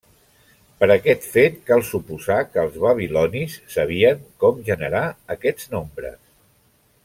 Per aquest fet cal suposar que els babilonis sabien com generar aquests nombres.